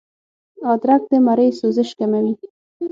ادرک د مرۍ سوزش کموي